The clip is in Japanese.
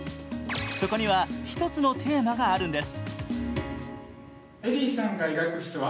そこには一つのテーマがあるんです。